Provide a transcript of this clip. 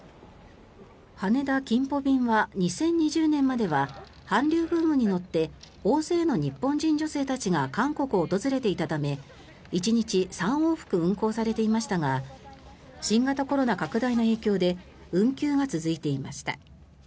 羽田金浦便は２０２０年までは韓流ブームに乗って大勢の日本人女性たちが韓国を訪れていたため１日３往復運航されていましたが新型コロナ拡大の影響で運休が続いていました。